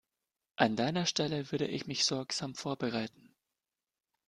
An deiner Stelle würde ich mich sorgsam vorbereiten.